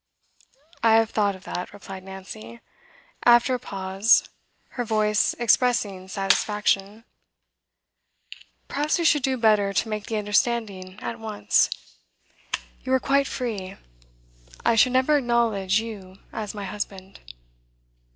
'I have thought of that,' replied Nancy, after a pause, her voice expressing satisfaction. 'Perhaps we should do better to make the understanding at once. You are quite free; I should never acknowledge you as my husband.